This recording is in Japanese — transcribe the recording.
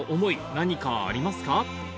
何かありますか？